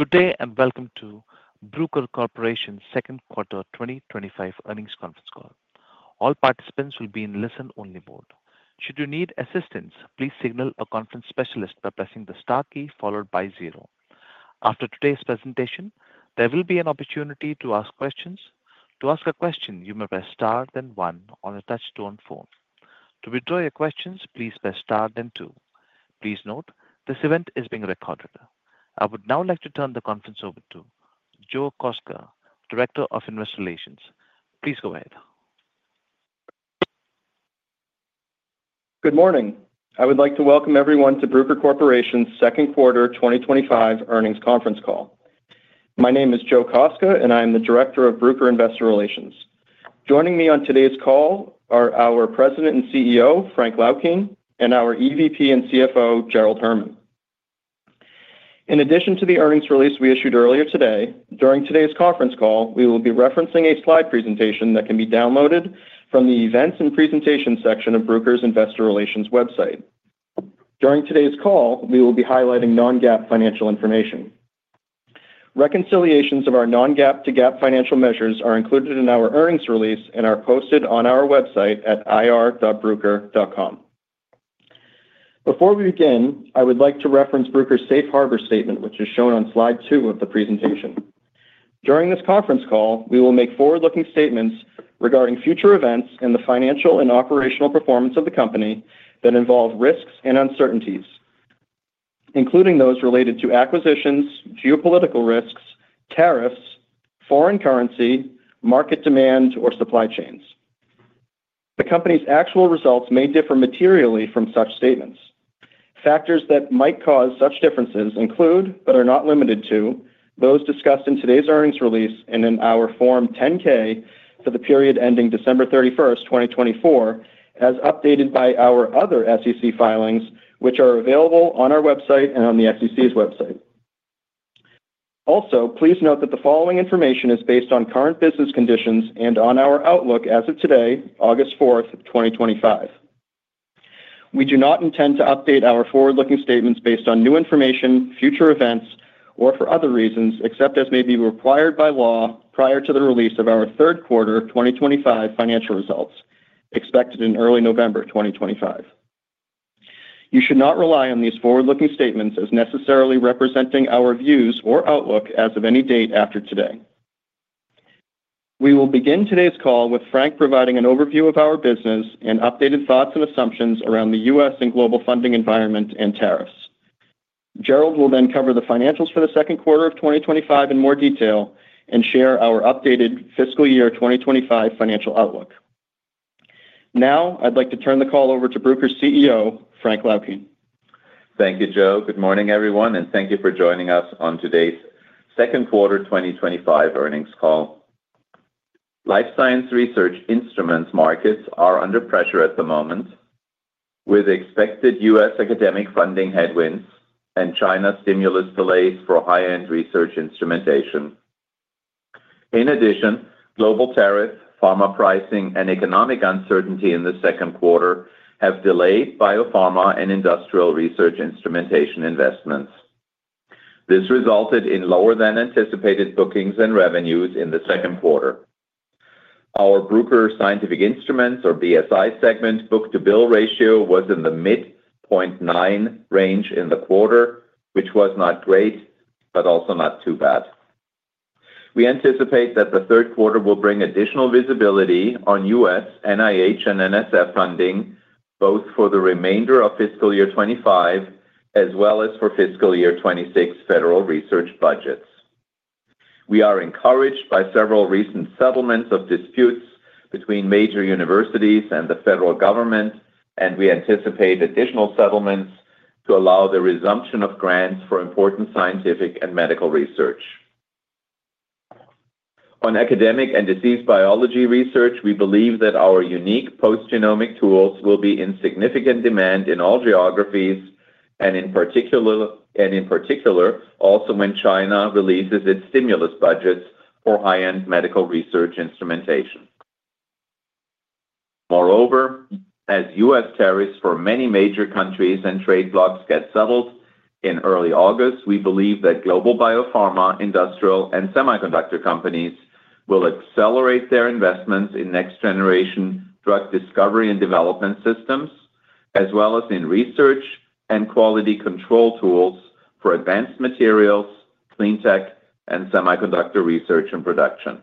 Good day and welcome to Bruker Corporation Second Quarter 2025 Earnings Conference Call. All participants will be in listen-only mode. Should you need assistance, please signal a conference specialist by pressing the star key followed by zero. After today's presentation, there will be an opportunity to ask questions. To ask a question, you may press star then one on a touch-tone phone. To withdraw your questions, please press star then two. Please note this event is being recorded. I would now like to turn the conference over to Joe Kostka, Director of Investor Relations. Please go ahead. Good morning. I would like to welcome everyone to Bruker Corporation Second Quarter 2025 Earnings Conference Call. My name is Joe Kostka and I am the Director of Bruker Investor Relations. Joining me on today's call are our President and CEO Frank Laukien and our EVP and CFO Gerald Herman. In addition to the earnings release we issued earlier today, during today's conference call we will be referencing a slide presentation that can be downloaded from the Events and Presentations section of Bruker's Investor Relations website. During today's call we will be highlighting non-GAAP financial information. Reconciliations of our non-GAAP to GAAP financial measures are included in our earnings release and are posted on our website at ir.bruker.com. Before we begin, I would like to reference Bruker's Safe Harbor Statement which is shown on slide two of the presentation. During this conference call we will make forward-looking statements regarding future events and the financial and operational performance of the company that involve risks and uncertainties including those related to acquisitions, geopolitical risks, tariffs, foreign currency, market demand or supply chains. The company's actual results may differ materially from such statements. Factors that might cause such differences include, but are not limited to, those discussed in today's earnings release and in our Form 10-K for the period ending December 31, 2024 as updated by our other SEC filings which are available on our website and on the SEC's website. Also, please note that the following information is based on current business conditions and on our outlook as of today on August 4, 2025. We do not intend to update our forward-looking statements based on new information, future events or for other reasons, except as may be required by law prior to the release of our third quarter 2025 financial results expected in early November 2025. You should not rely on these forward-looking statements as necessarily representing our views or outlook as of any date after today. We will begin today's call with Frank providing an overview of our business and updated thoughts and assumptions around the US and global funding environment and tariffs. Gerald will then cover the financials for the second quarter of 2025 in more detail and share our updated fiscal year 2025 financial outlook. Now I'd like to turn the call over to Bruker CEO Frank Laukien. Thank you, Joe. Good morning, everyone, and thank you for joining us on today's Second Quarter 2025 Earnings Call. Life science research instruments markets are under pressure at the moment with expected U.S. academic funding headwinds and China stimulus delays for high-end research instrumentation. In addition, global tariff, pharma pricing, and economic uncertainty in the second quarter have delayed biopharma and industrial research instrumentation investments. This resulted in lower than anticipated bookings and revenues in the second quarter. Our Bruker Scientific Instruments, or BSI, segment book-to-bill ratio was in the mid 0.9 range in the quarter, which was not great but also not too bad. We anticipate that the third quarter will bring additional visibility on U.S. NIH and NSF funding both for the remainder of fiscal year 2025 and as well as for fiscal year 2026 federal research budgets. We are encouraged by several recent settlements of disputes between major universities and the federal government, and we anticipate additional settlements to allow the resumption of grants for important scientific and medical research on academic and disease biology research. We believe that our unique post-genomic tools will be in significant demand in all geographies and in particular also when China releases its stimulus budgets for high-end medical research instrumentation. Moreover, as U.S. tariffs for many major countries and trade blocs get settled in early August, we believe that global biopharma, industrial, and semiconductor companies will accelerate their investments in next-generation drug discovery and development systems as well as in research and quality control tools for advanced materials, cleantech, and semiconductor research and production.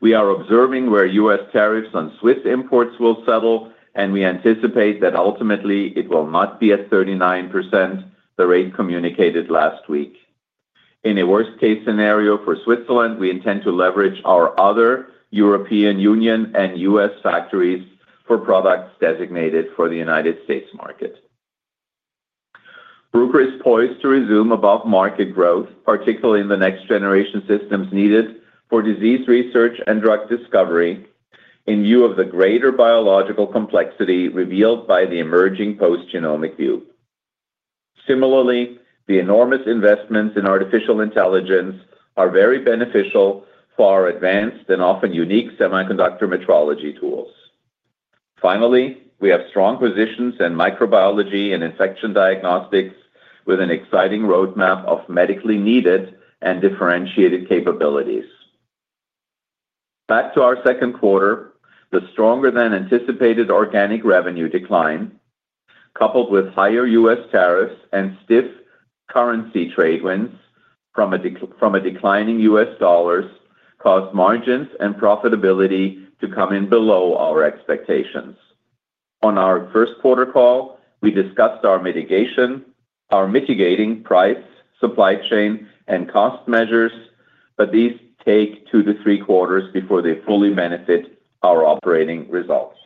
We are observing where U.S. tariffs on Swiss imports will settle, and we anticipate that ultimately it will not be at 39%, the rate communicated last week. In a worst-case scenario for Switzerland, we intend to leverage our other European Union and U.S. factories for products designated for the United States market. Bruker is poised to resume above-market growth, particularly in the next-generation systems needed for disease research and drug discovery in view of the greater biological complexity revealed by the emerging post-genomic view. Similarly, the enormous investments in artificial intelligence are very beneficial for advanced and often unique semiconductor metrology tools. Finally, we have strong positions in microbiology and infection diagnostics with an exciting roadmap of medically needed and differentiated capabilities. Back to our second quarter. The stronger than anticipated organic revenue decline, coupled with higher U.S. tariffs and stiff currency trade winds from a declining U.S. dollar, caused margins and profitability to come in below our expectations. On our first quarter call, we discussed our mitigation, our mitigating price, supply chain, and cost measures, but these take two to three quarters before they fully benefit our operating results.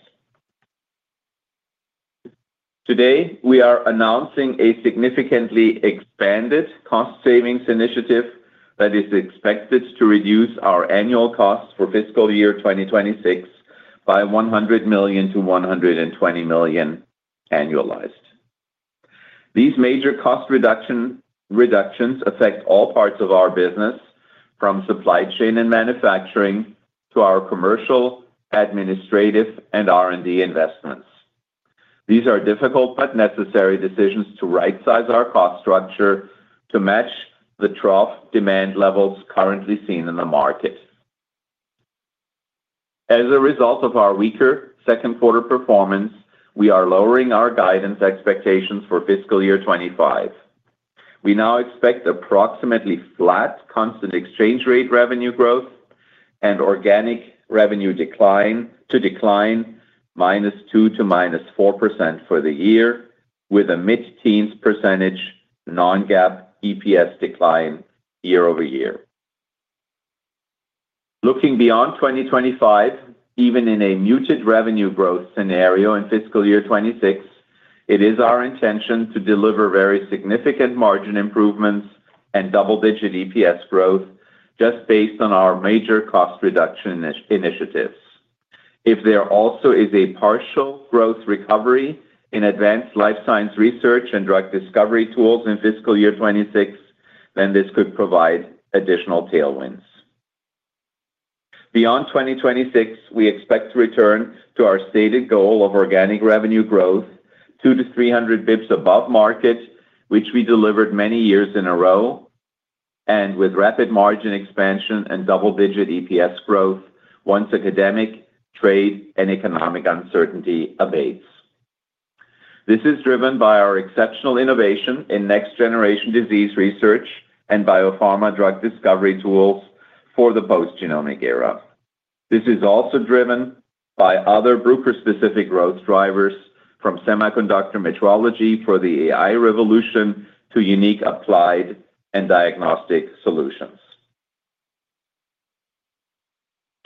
Today, we are announcing a significantly expanded cost savings initiative that is expected to reduce our annual costs for fiscal year 2026 by $100 million-$120 million annualized. These major cost reductions affect all parts of our business, from supply chain and manufacturing to our commercial, administrative, and R&D investments. These are difficult but necessary decisions to right-size our cost structure to match the trough demand levels currently seen in the market. As a result of our weaker second quarter performance, we are lowering our guidance expectations for fiscal year 2025. We now expect approximately flat constant exchange rate revenue growth and organic revenue to decline -2% to -4% for the year, with a mid-teens percentage non-GAAP EPS decline year-over-year. Looking beyond 2025, even in a muted revenue growth scenario in fiscal year 2026, it is our intention to deliver very significant margin improvements and double-digit EPS growth just based on our major cost reduction initiatives. If there also is a partial growth recovery in advanced life science research and drug discovery tools in fiscal year 2026, then this could provide additional tailwinds. beyond 2026. We expect to return to our stated goal of organic revenue growth 200-300 basis points above market, which we delivered many years in a row, and with rapid margin expansion and double-digit EPS growth once academic, trade, and economic uncertainty abates. This is driven by our exceptional innovation in next-generation disease research and biopharma drug discovery tools for the post-genomic era. This is also driven by other Bruker-specific growth drivers, from semiconductor metrology for the AI revolution to unique applied and diagnostic solutions.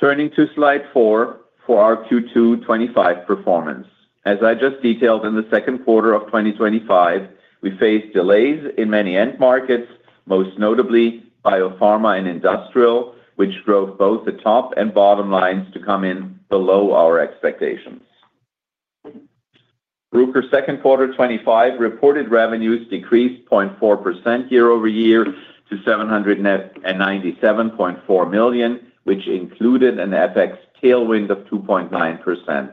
Turning to slide four for our Q2 2025 performance. As I just detailed, in the second quarter of 2025 we faced delays in many end markets, most notably biopharma and industrial, which drove both the top and bottom lines to come in below our expectations. Bruker second quarter 2025 reported revenues decreased 0.4% year-over-year to $797.4 million, which included an FX tailwind of 2.9%.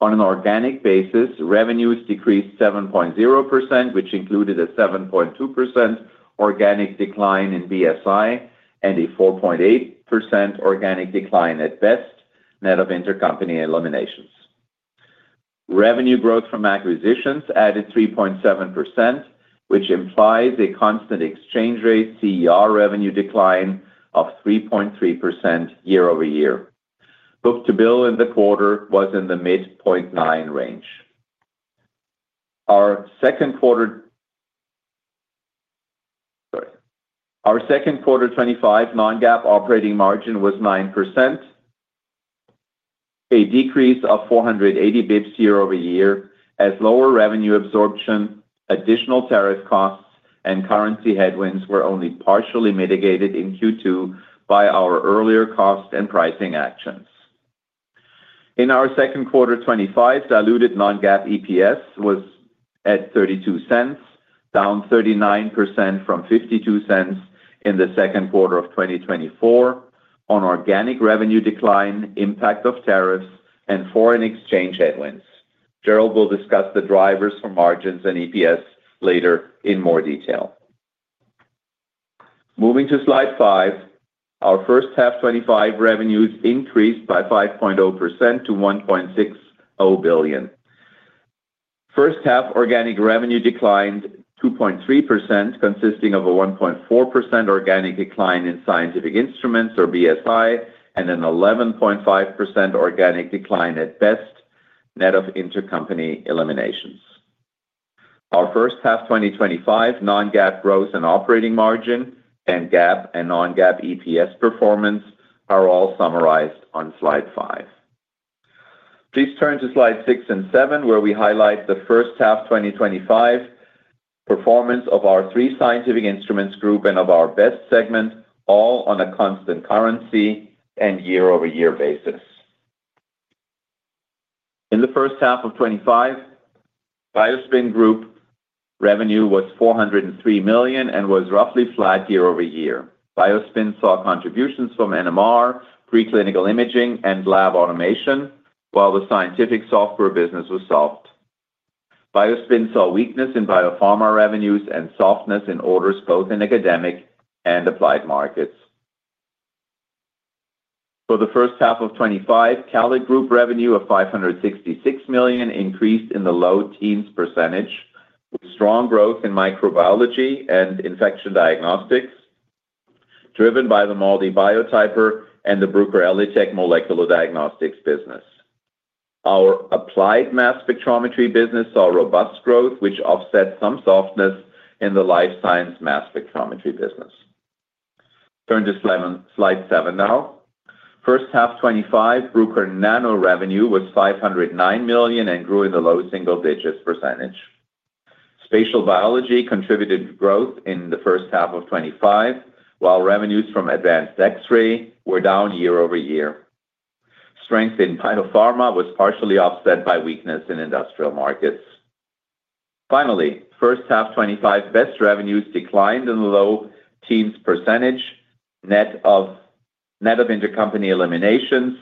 On an organic basis, revenues decreased 7.0%, which included a 7.2% organic decline in BSI and a 4.8% organic decline at BEST, net of intercompany eliminations. Revenue growth from acquisitions added 3.7%, which implies a constant exchange rate (CER) revenue decline of 3.3% year-over-year. Book-to-bill in the quarter was in the mid 0.9 range. Our second quarter 2025 non-GAAP operating margin was 9%, a decrease of 480 basis points year-over-year as lower revenue absorption, additional tariff costs, and currency headwinds were only partially mitigated in Q2 by our earlier cost and pricing actions. In our second quarter 2025, diluted non-GAAP EPS was at $0.32, down 39% from $0.52 in the second quarter of 2024 on organic revenue decline, impact of tariffs, and foreign exchange headwinds. Gerald will discuss the drivers for margins and EPS later in more detail. Moving to slide five, our first half 2025 revenues increased by 5.0% to $1.6 billion. First half organic revenue declined 2.3%, consisting of a 1.4% organic decline in scientific instruments or BSI and an 11.5% organic decline at BEST, net of intercompany eliminations. Our first half 2025 non-GAAP gross and operating margin and GAAP and non-GAAP EPS performance are all summarized on slide five. Please turn to slides six and seven, where we highlight the first half 2025 performance of our three scientific instruments group and of our BEST segment, all on a constant currency and year-over-year basis. In the first half of 2025, BioSpin group revenue was $403 million and was roughly flat year-over-year. BioSpin saw contributions from NMR, preclinical imaging, and lab automation, while the scientific software business was soft. BioSpin saw weakness in biopharma revenues and softness in orders both in academic and applied markets. For the first half of 2025, CALID group revenue of $566 million increased in the low teens percentage. Strong growth in microbiology and infection diagnostics was driven by the MALDI Biotyper and the Bruker Elitech molecular diagnostics business. Our applied mass spectrometry business saw robust growth, which offset some softness in the life science mass spectrometry business. Turn to slide seven now. First half 2025 Bruker Nano revenue was $509 million and grew in the low single-digits percentage. Spatial biology contributed growth in first half of 2025, while revenues from advanced x-ray were down year-over-year. Strength in biopharma was partially offset by weakness in industrial markets. Finally, first half 2025 BSI revenues declined in low teens percentage net of intercompany eliminations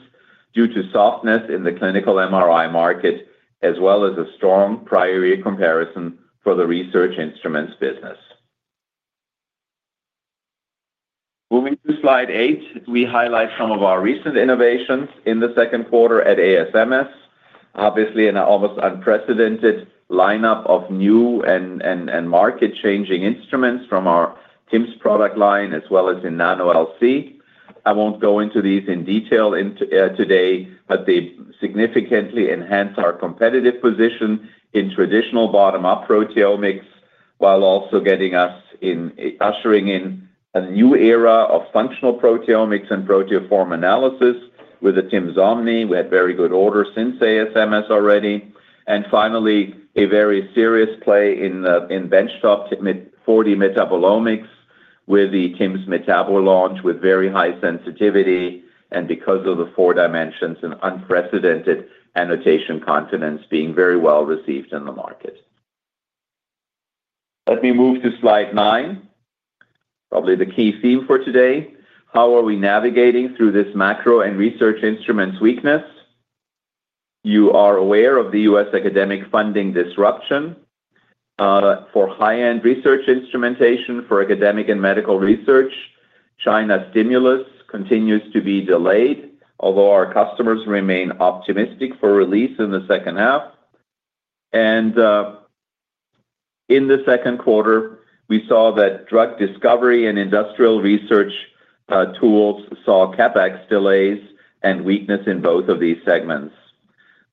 due to softness in the clinical MRI market as well as a strong prior year comparison for the research instruments business. Moving to slide eight, we highlight some of our recent innovations in the second quarter at ASMS. Obviously, an almost unprecedented lineup of new and market-changing instruments from our TIMS product line as well as in Nano LC. I won't go into these in detail today, but they significantly enhance our competitive position in traditional bottom-up proteomics while also ushering in a new era of functional proteomics and proteoform analysis. With the timsOmni, we had very good orders since ASMS already, and finally a very serious play in benchtop for metabolomics with the TIMS Metabolome with very high sensitivity, and because of the four dimensions and unprecedented annotation confidence, being very well received in the market. Let me move to slide nine, probably the key theme for today. How are we navigating through this macro and research instruments weakness? You are aware of the US academic funding disruption for high-end research instrumentation for academic and medical research. China stimulus continues to be delayed, although our customers remain optimistic for release in the second half, and in the second quarter we saw that drug discovery and industrial research tools saw CapEx delays and weakness in both of these segments.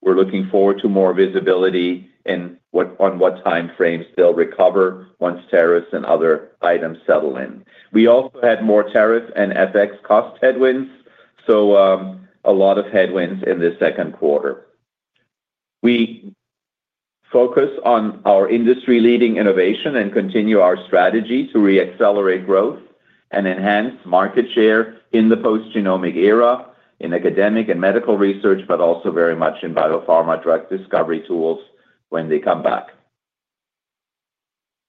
We're looking forward to more visibility on what time frames they'll recover once tariffs and other items settle in. We also had more tariff and FX cost headwinds, so a lot of headwinds in the second quarter. We focus on our industry-leading innovation and continue our strategy to re-accelerate growth and enhance market share in the post-genomic era in academic and medical research, but also very much in biopharma drug discovery tools when they come back.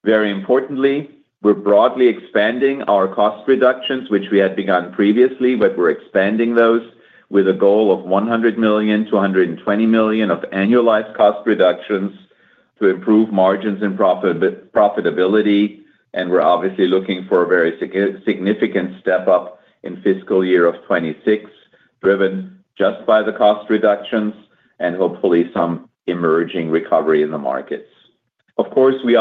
Very importantly, we're broadly expanding our cost reductions, which we had begun previously, but we're expanding those with a goal of $100 million-$220 million of annualized cost reductions to improve margins and profitability. We're obviously looking for a very significant step up in fiscal year 2026 driven just by the cost reductions and hopefully some emerging recovery in the markets. Of course, we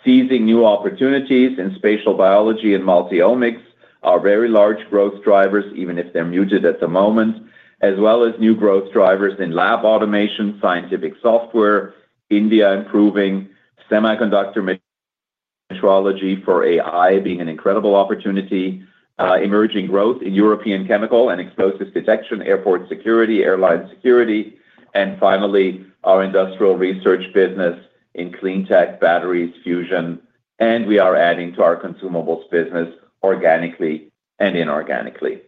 are seizing new opportunities in spatial biology and multi-omics, which are very large growth drivers even if they're muted at the moment, as well as new growth drivers in lab automation, scientific software, India, improving semiconductor metrology for AI being an incredible opportunity, emerging growth in European chemical and explosives detection, airport security, airline security, and finally our industrial research business in cleantech, batteries, fusion, and we are adding to our consumables business organically and inorganically.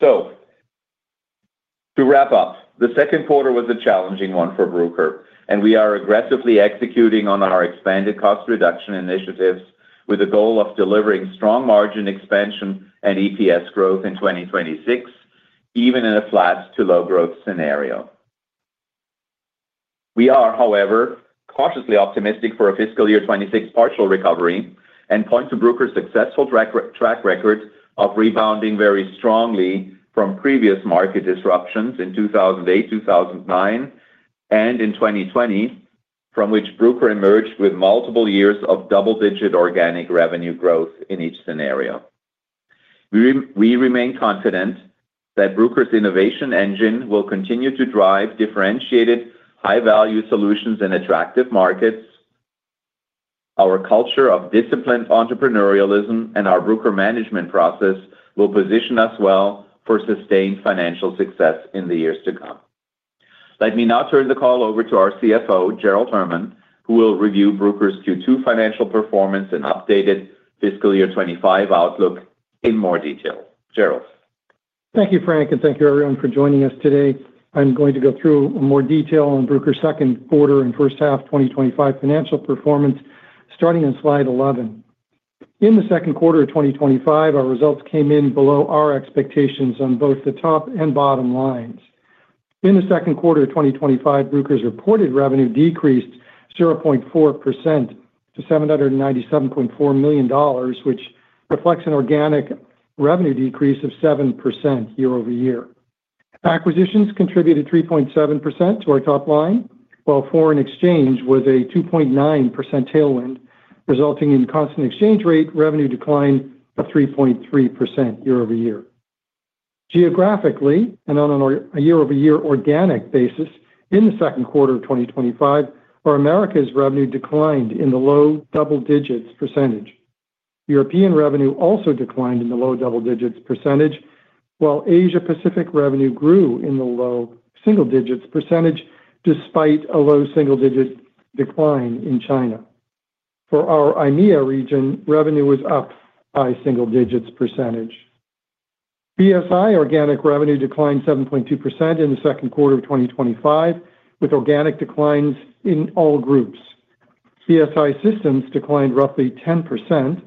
To wrap up, the second quarter was a challenging one for Bruker, and we are aggressively executing on our expanded cost reduction initiatives with the goal of delivering strong margin expansion and EPS growth in 2026 even in a flat to low growth scenario. We are, however, cautiously optimistic for a fiscal year 2026 partial recovery and point to Bruker's successful track record of rebounding very strongly from previous market disruptions in 2008, 2009, and in 2020, from which Bruker emerged with multiple years of double-digit organic revenue growth in each scenario. We remain confident that Bruker's innovation engine will continue to drive differentiated high-value solutions in attractive markets. Our culture of disciplined entrepreneurialism and our Bruker management process will position us well for sustained financial success in the years to come. Let me now turn the call over to our CFO, Gerald Herman, who will review Bruker's Q2 financial performance and updated fiscal year 2025 outlook in more detail. Gerald, thank you, Frank, and thank you everyone for joining us today. I'm going to go through more detail on Bruker's second quarter and first half 2025 financial performance starting on slide 11. In the second quarter of 2025, our results came in below our expectations on both the top and bottom lines. In the second quarter 2025, Bruker's reported revenue decreased 0.4% to $797.4 million, which reflects an organic revenue decrease of 7% year-over-year. Acquisitions contributed 3.7% to our top line while foreign exchange was a 2.9% tailwind, resulting in constant exchange rate revenue decline of 3.3% year-over-year. Geographically and on a year-over-year organic basis, in the second quarter of 2025, our Americas revenue declined in the low double digits percentage European revenue also declined in the low double digits %, while Asia Pacific revenue grew in the low single-digits percentage Despite a low single digit decline in China, for our EMEA region, revenue was up high single-digits percentage BSI organic revenue declined 7.2% in the second quarter of 2025 with organic declines in all groups. BSI Systems declined roughly 10%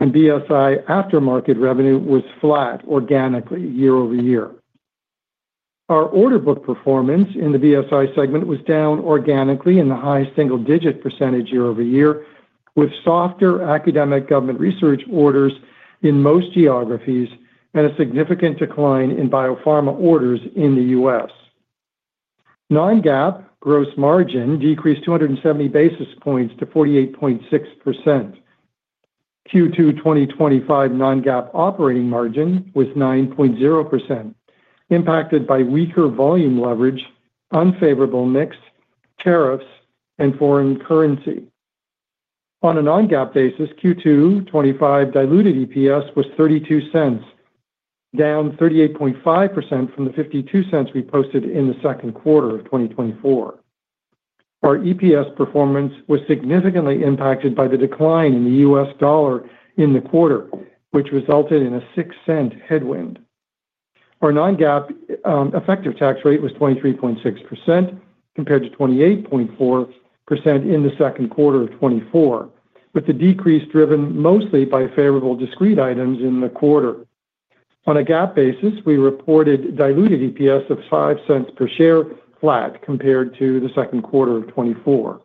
and BSI Aftermarket revenue was flat organically year-over-year. Our order book performance in the BSI segment was down organically in the high single-digit percentage year-over-year, with softer academic government research orders in most geographies and a significant decline in biopharma orders in the U.S. Non-GAAP gross margin decreased 270 basis points to 48.6%. Q2 2025 non-GAAP operating margin was 9.0%, impacted by weaker volume leverage, unfavorable mix, tariffs, and foreign currency. On a non-GAAP basis, Q2 2025 diluted EPS was $0.32, down 38.5% from the $0.52 we posted in the second quarter of 2024. Our EPS performance was significantly impacted by the decline in the U.S. dollar in the quarter, which resulted in a $0.06 headwind. Our non-GAAP effective tax rate was 23.6% compared to 28.4% in Q2 2024, with the decrease driven mostly by favorable discrete items in the quarter. On a GAAP basis, we reported diluted EPS of $0.05 per share, flat compared to Q2 2024.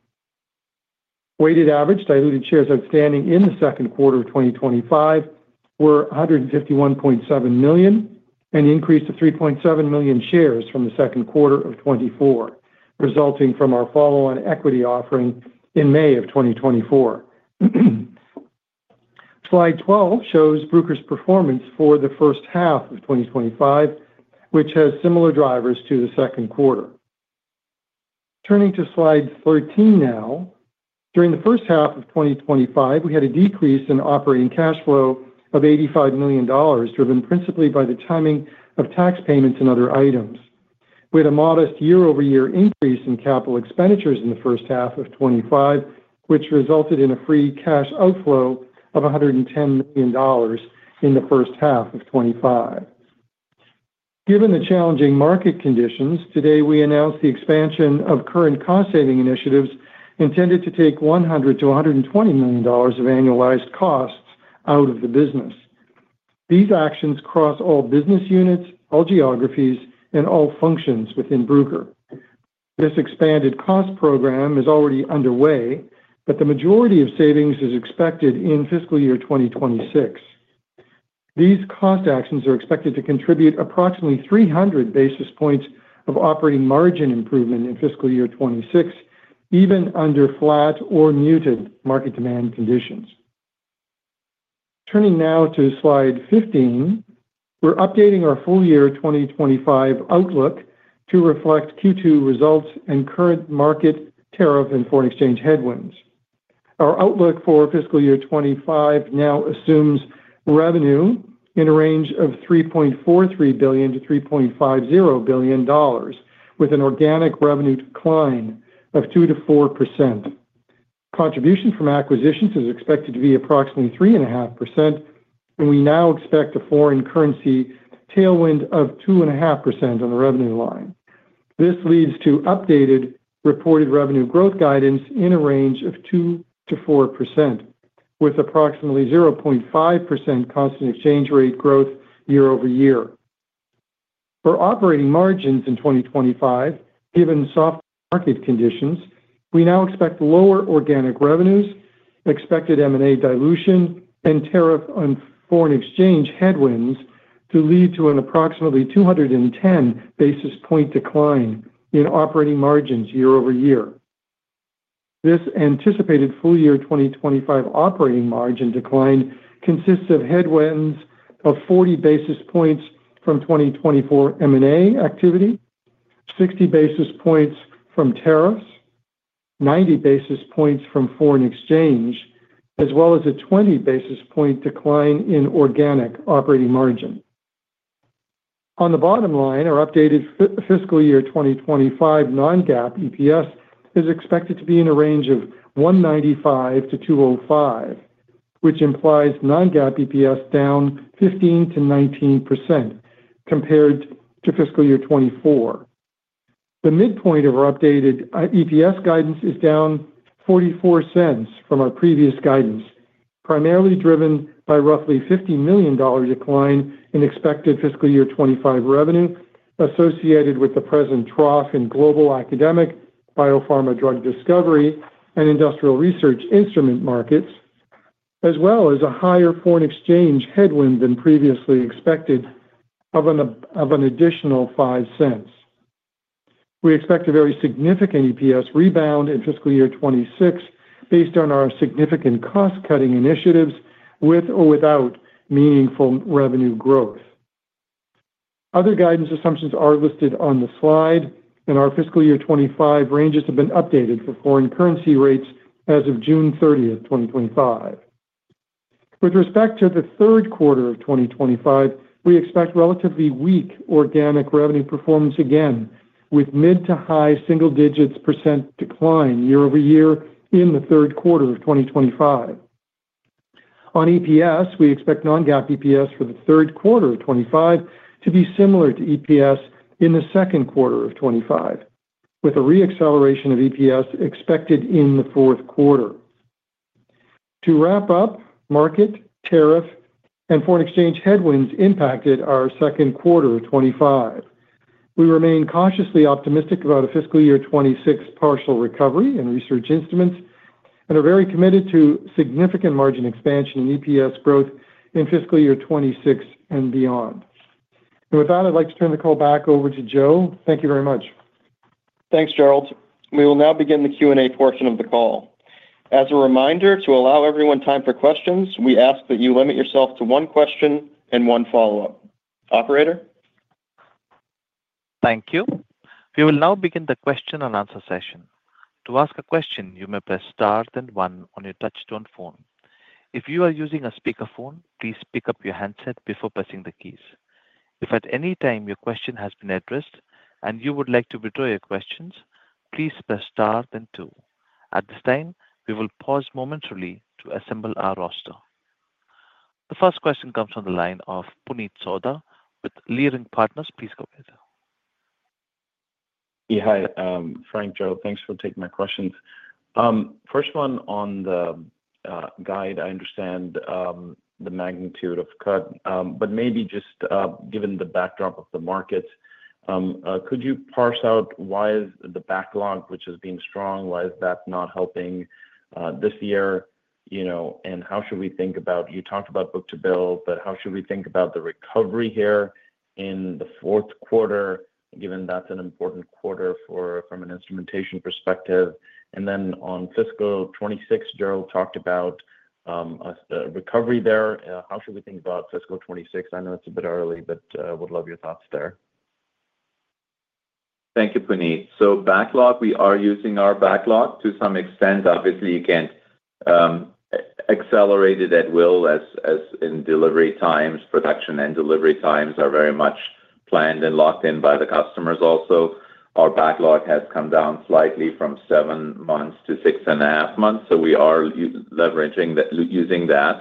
Weighted average diluted shares outstanding in the second quarter of 2025 were 151.7 million, an increase of 3.7 million shares from Q2 2024, resulting from our follow-on equity offering in May of slide 12 shows Bruker's performance for the first half of 2025, which has similar drivers to the second quarter. Turning slide 13 now, during the first half of 2025 we had a decrease in operating cash flow of $85 million driven principally by the timing of tax payments and other items, with a modest year-over-year increase in capital expenditures in first half of 2025 which resulted in a free cash outflow of $110 million in first half of 2025. Given the challenging market conditions, today we announced the expansion of current cost-saving initiatives intended to take $100 million-$120 million of annualized costs out of the business. These actions cross all business units, all geographies, and all functions within Bruker. This expanded cost program is already underway, but the majority of savings is expected in fiscal year 2026. These cost actions are expected to contribute approximately 300 basis points of operating margin improvement in fiscal year 2026 even under flat or muted market demand conditions. Turning now slide 15, we're updating our full-year 2025 outlook to reflect Q2 results and current market, tariff, and foreign exchange headwinds. Our outlook for fiscal year 2025 now assumes revenue in a range of $3.43 billion-$3.50 billion with an organic revenue decline of 2%-4%. Contribution from acquisitions is expected to be approximately 3.5% and we now expect a foreign currency tailwind of 2.5% on the revenue line. This leads to updated reported revenue growth guidance in a range of 2%-4% with approximately 0.5% constant exchange rate growth year-over-year for operating margins in 2025. Given soft market conditions, we now expect lower organic revenues, expected M&A dilution, and tariff and foreign exchange headwinds to lead to an approximately 210 basis point decline in operating margins year-over-year. This anticipated full-year 2025 operating margin decline consists of headwinds of 40 basis points from 2024 M&A activity, 60 basis points from tariffs, 90 basis points from foreign exchange, as well as a 20 basis point decline in organic operating margin. On the bottom line, our updated fiscal year 2025 non-GAAP EPS is expected to be in a range of $1.95-$2.05, which implies non-GAAP EPS down 15%-19% compared to fiscal year 2024. The midpoint of our updated EPS guidance is down $0.44 from our previous guidance, primarily driven by roughly $50 million decline in expected fiscal year 2025 revenue associated with the present trough in global academic, biopharma, drug discovery and industrial research instrument markets, as well as a higher foreign exchange headwind than previously expected of an additional $0.05. We expect a very significant EPS rebound in fiscal year 2026 based on our significant cost cutting initiatives with or without meaningful revenue growth. Other guidance assumptions are listed on the slide and our fiscal year 2025 ranges have been updated for foreign currency rates as of June 30, 2025. With respect to the third quarter of 2025, we expect relatively weak organic revenue performance again with mid to high single-digits percentage decline year-over-year in the third quarter of 2025. On EPS, we expect non-GAAP EPS for third quarter 2025 to be similar to EPS in second quarter 2025 with a reacceleration of EPS expected in the fourth quarter. To wrap up, market, tariff and foreign exchange headwinds impacted our second quarter 2025. We remain cautiously optimistic about a fiscal year 2026 partial recovery in research instruments and are very committed to significant margin expansion and EPS growth in fiscal year 2026 and beyond. With that, I'd like to turn the call back over to Joe. Thank you very much. Thanks, Gerald. We will now begin the Q&A portion of the call. As a reminder, to allow everyone time for questions, we ask that you limit yourself to one question and one follow. Operator, Thank you. We will now begin the question and answer session. To ask a question, you may press star then one on your touchtone phone. If you are using a speakerphone, please pick up your handset before pressing the keys. If at any time your question has been addressed and you would like to withdraw your questions, please press star then two. At this time, we will pause momentarily to assemble our roster. The first question comes from the line of Puneet Souda with Leerink Partners. Please go ahead. Hi Frank, Joe, thanks for taking my questions. First one on the guide, I understand the magnitude of cut, but maybe just given the backdrop of the markets, could you parse out why is the backlog, which has been strong, why is that not helping this year? How should we think about, you talked about book-to-bill, but how should we think about the recovery here in the fourth quarter, given that's an important quarter from an instrumentation perspective? On fiscal 2026, Gerald talked about recovery there. How should we think about fiscal 2026? I know it's a bit early, but would love your thoughts there. Thank you, Puneet. So backlog, we are using our backlog to some extent. Obviously, you can't accelerate it at will, as in delivery times. Production and delivery times are very much planned and locked in by the customers. Also, our backlog had come down slightly from seven months to six and a half months. We are leveraging using that.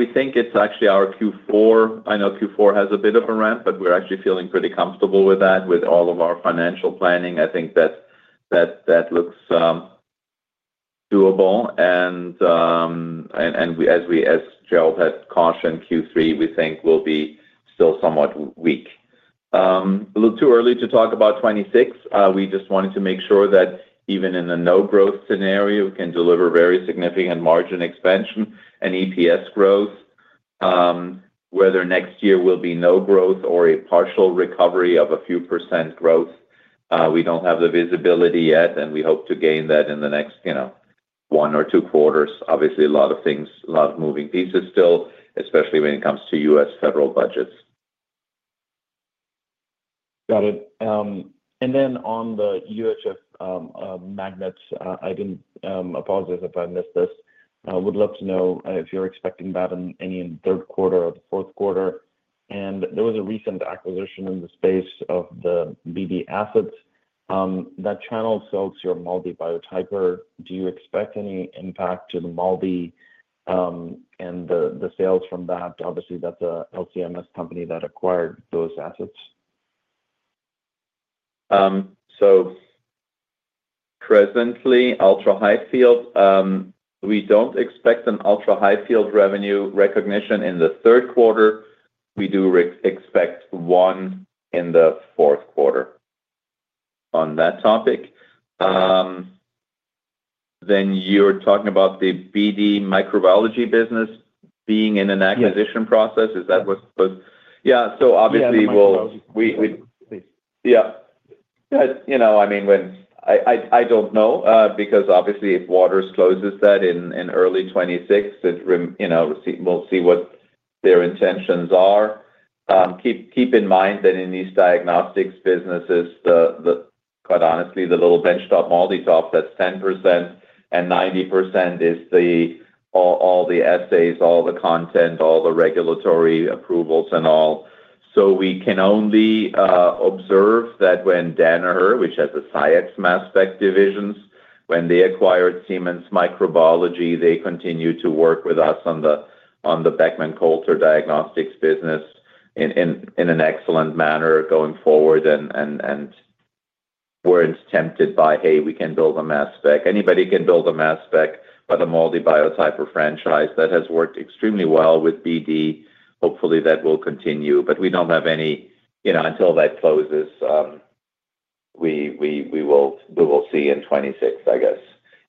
We think it's actually our Q4. I know Q4 has a bit of a ramp, but we're actually feeling pretty comfortable with that. With all of our financial planning, I think that looks doable. As Gerald had cautioned, Q3 we think will be still somewhat weak. A little too early to talk about 2026. We just wanted to make sure that even in the no-growth scenario, can deliver very significant margin expansion and EPS growth. Whether next year will be no growth or a partial recovery of a few percent growth, we don't have the visibility yet and we hope to gain that in the next, you know, one or two quarters. Obviously, a lot of things, a lot of moving pieces still, especially when it comes to U.S. Federal budgets. Got it. On the UHF magnets, I apologize if I missed this. I would love to know if you're expecting that in any third quarter or the fourth quarter. There was a recent acquisition in the space of the BD assets that channel sells your MALDI Biotyper. Do you expect any impact to the MALDI and the sales from that? Obviously that's a LCMS company that acquired those assets. Presently, ultra high field, we don't expect an ultra high field revenue recognition in the third quarter. We do expect one in the fourth quarter. On that topic, you're talking about the BD Microbiology business being in an acquisition process, is that what you mean? Yeah, so obviously, you know, I mean, I don't know because obviously if Waters closes that in early 2026, we'll see what their intentions are. Keep in mind that in these diagnostics businesses, quite honestly, the little benchtop MALDI-TOF, that's 10% and 90% is all the assays, all the content, all the regulatory approvals and all. We can only observe that when Danaher, which has the SCIEX mass spec divisions, when they acquired Siemens Microbiology, they continued to work with us on the Beckman Coulter diagnostics business in an excellent manner going forward and weren't tempted by, hey, we can build a mass spec. Anybody can build a mass spec, but the MALDI Biotyper franchise that has worked extremely well with BD. Hopefully that will continue. We don't have any, you know, until that closes we will see in 2026. I guess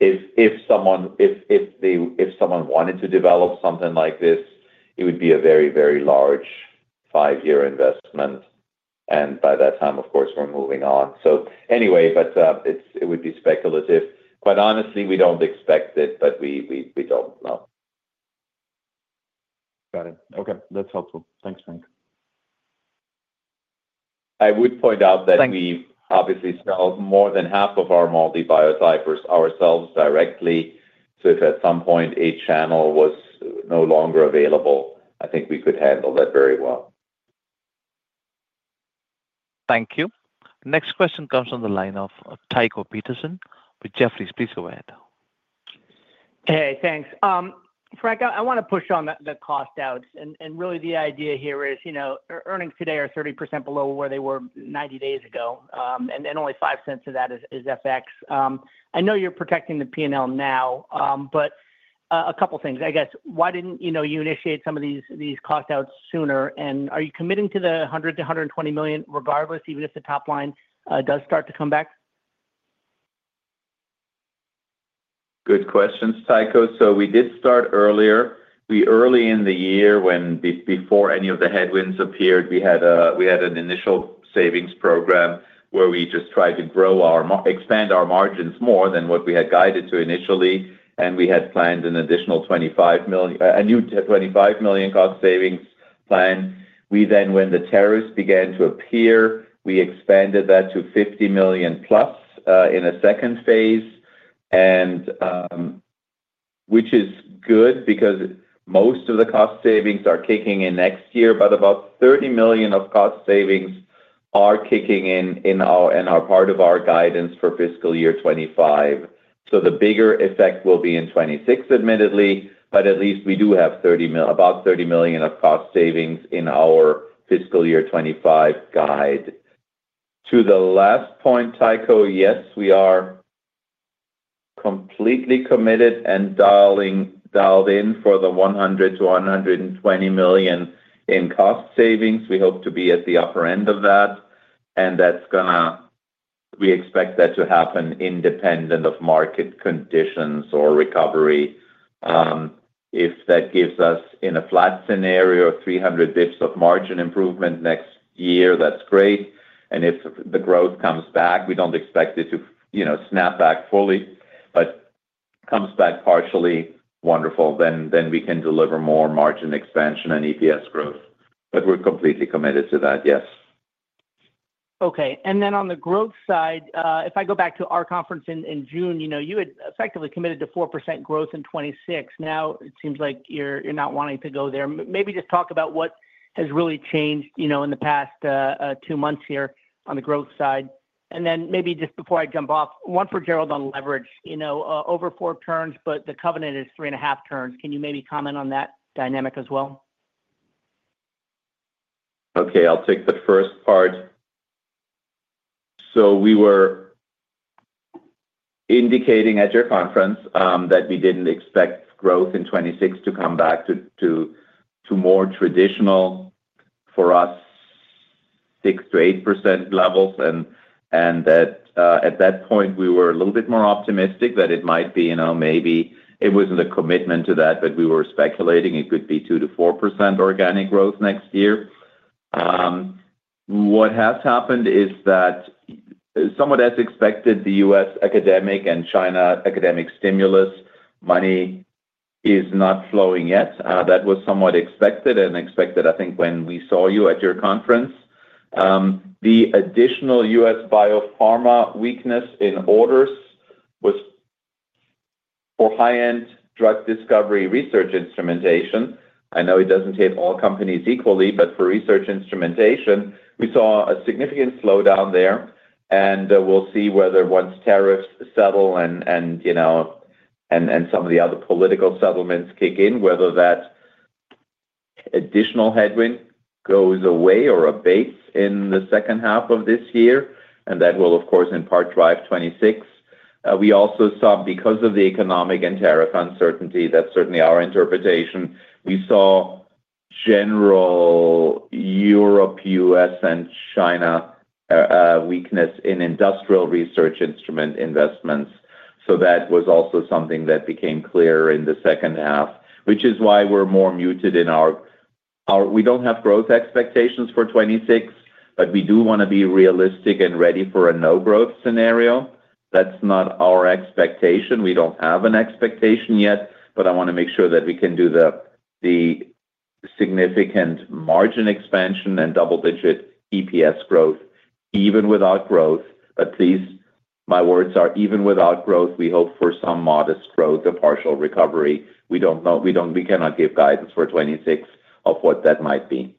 if someone, if they, if someone wanted to develop something like this, it would be a very, very large five year investment and by that time of course we're moving on. It would be speculative, quite honestly. We don't expect it, but we don't know. Got it. Okay, that's helpful. Thanks, Frank. I would point out that we obviously sell more than half of our MALDI Biotyper devices ourselves directly. If at some point a channel was no longer available, I think we could handle that very well. Thank you. Next question comes from the line of Tycho Peterson of Jefferies.Please go ahead. Hey, thanks. Frank, I want to push on the cost outs and really the idea here is, you know, earnings today are 30% below where they were 90 days ago and only $0.05 of that is FX. I know you're protecting the P&L now, but a couple things. I guess why didn't you initiate some of these cost outs sooner, and are you committing to the $100 million-$120 million regardless, even if the top line does start to come back? Good questions, Tycho. We did start earlier, early in the year before any of the headwinds appeared. We had an initial savings program where we just tried to grow our, expand our margins more than what we had guided to initially. We had planned an additional $25 million, a new $25 million cost savings plan. When the tariff increases began to appear, we expanded that to $50+ million in a second phase, which is good because most of the cost savings are kicking in next year. About $30 million of cost savings are kicking in and are part of our guidance for fiscal year 2025. The bigger effect will be in 2026, admittedly, but at least we do have about $30 million of cost savings in our fiscal year 2025 guide. To the last point, Tycho, yes, we are completely committed and dialed in for the $100 million-$120 million in cost savings. We hope to be at the upper end of that, and that's going to, we expect that to happen independent of market conditions or recovery. If that gives us, in a flat scenario, 300 basis points of margin improvement next year, that's great. If the growth comes back, we don't expect it to snap back fully, but comes back partially, wonderful. Then we can deliver more margin expansion and EPS growth. We're completely committed to that, yes. Okay. On the growth side, if I go back to our conference in June, you had effectively committed to 4% growth in 2026. Now it seems like you're not wanting to go there. Maybe just talk about what has really changed in the past two months here on the growth side. Before I jump off, one for Gerald on leverage. Over four turns, but the covenant is three and a half turns. Can you comment on that dynamic as well? Okay, I'll take that first part. We were indicating at your conference that we didn't expect growth in 2026 to come back to more traditional U.S. 6%-8% levels. At that point, we were a little bit more optimistic that it might be. Maybe it wasn't a commitment to that, but we were speculating it could be 2%-4% organic growth next year. What has happened is that, somewhat as expected, the U.S. academic and China academic stimulus money is not flowing yet. That was somewhat expected. I think when we saw you at your conference, the additional U.S. biopharma weakness in orders was for high-end drug discovery research instrumentation. I know it doesn't hit all companies equally, but for research instrumentation we saw a significant slowdown there. We'll see whether once tariffs settle and some of the other political settlements kick in, whether that additional headwind goes away or abates in the second half of this year. That will, of course, in part drive 2026. We also saw, because of the economic and tariff uncertainty—that's certainly our interpretation—general Europe, U.S., and China weakness in industrial research instrument investments. That was also something that became clear in the second half, which is why we're more muted in our expectations. We don't have growth expectations for 2026, but we do want to be realistic and ready for a no growth scenario. That's not our expectation. We don't have an expectation yet, but I want to make sure that we can do the significant margin expansion and double-digit EPS growth even without growth. At least my words are even without growth, we hope for some modest growth and partial recovery. We don't know. We cannot give guidance for 2026 of what that might be.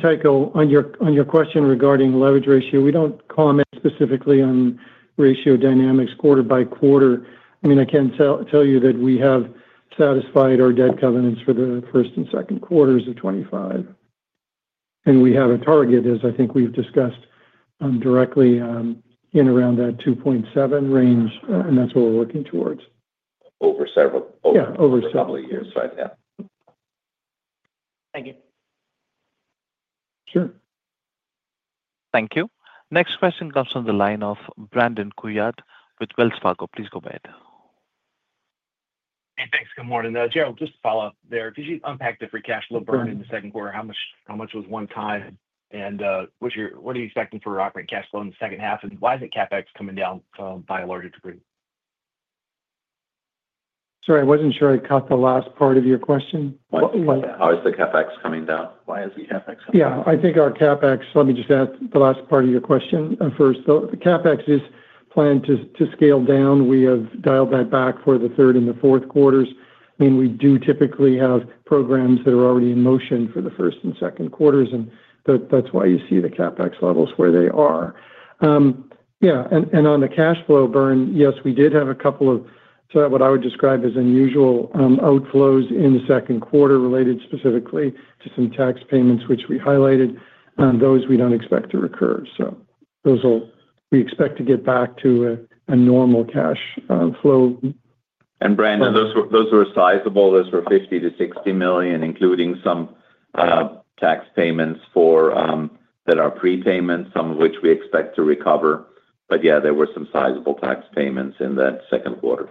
Tycho, on your question regarding leverage ratio, we don't comment specifically on ratio dynamics quarter by quarter. I can tell you that we have satisfied our debt covenants for the first and second quarters of 2025, and we have a target, as I think we've discussed directly, in around that 2.7 range, and that's what we're working towards over several. Yeah, over several years right now. Thank you. Sure. Thank you. Next question comes from the line of Brandon Couillard with Wells Fargo Securities. Please go ahead. Hey, thanks. Good morning Gerald. Just follow up there. Did you unpack the free cash flow burn in the second quarter? How much, how much was one time? What's your, what are you expecting for operating cash flow in the second half? Why isn't CapEx coming down by a larger degree? Sorry, I wasn't sure I caught the last part of your question. How is the CapEx coming down? Why is the CapEx? Yeah, I think our CapEx. Let me just add the last part of your question first. The CapEx is planned to scale down. We have dialed that back for the third and the fourth quarters. I mean we do typically have programs that are already in motion for the first and second quarters, and that's why you see the CapEx levels where they are. Yeah. On the cash flow burn, yes, we did have a couple of what I would describe as unusual outflows in the second quarter related specifically to some tax payments, which we highlighted. Those we don't expect to recur. We expect to get back to a normal cash flow. Brandon, those were sizable. Those were $50 million-$60 million including some tax payments that are prepayment, some of which we expect to recover. There were some sizable tax payments in that second quarter.